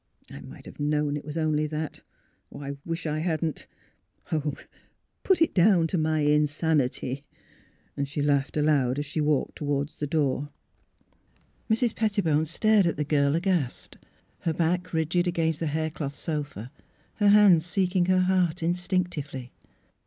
" I might have known it was only that. I wish I hadn't Oh, put it down to my insanity !" She laughed aloud as she walked toward the door. Mrs. Pettibone stared at the girl aghast, her back rigid against the haircloth sofa, her hands seeking her heart instinctively.